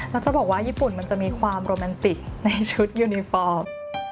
แล้วจะบอกว่าญี่ปุ่นมันจะมีความโรแมนติกในชุดยูนิฟอร์ม